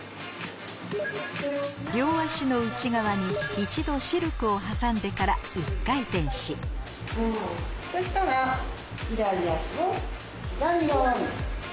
両足の内側に一度シルクを挟んでから一回転しそしたら左足を左側に。